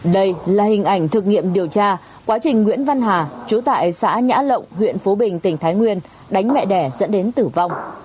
đây là hình ảnh thực nghiệm điều tra quá trình nguyễn văn hà chú tại xã nhã lộng huyện phú bình tỉnh thái nguyên đánh mẹ đẻ dẫn đến tử vong